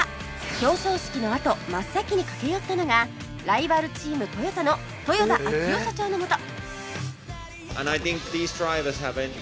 表彰式のあと真っ先に駆け寄ったのがライバルチームトヨタの豊田章男社長のもと！